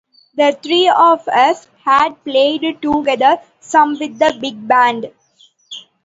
The three of us had played together some with the big band.